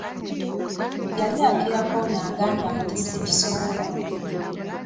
Yali akirako ono agamba nti sikisobola.